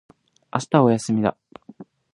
明日は休みだ。